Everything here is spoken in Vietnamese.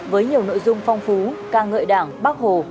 với nhiều nội dung phong phú ca ngợi đảng bác hồ